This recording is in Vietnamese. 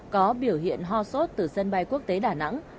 có biểu hiện ho sốt từ sân bay quốc tế đà nẵng